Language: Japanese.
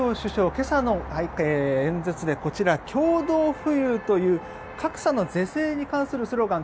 今朝の演説でこちら、共同富裕という格差の是正に関するスローガン